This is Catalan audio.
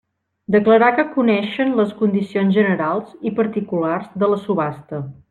Declarar que coneixen les condicions generals i particulars de la subhasta.